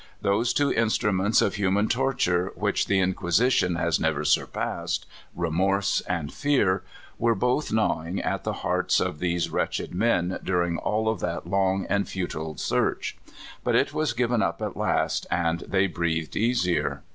Those two instruments of human torture which the Inquisition has never surpassed, remorse and fear, were both gnawing at the hearts of these wretched men during all of that long and futile search. But it was given up at last, and they breathed easier.